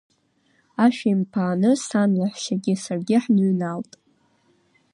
Ашә еимԥааны сан лаҳәшьагьы саргьы ҳныҩналт.